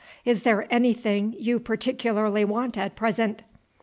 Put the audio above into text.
Is there anything you particularly want at present?"